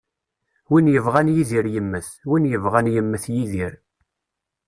Win yebɣan yidir yemmet, win yebɣan yemmet yidir.